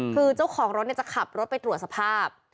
คือเจ้าของรถจะขับรถไปตรวจสภาพ